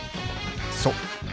そう。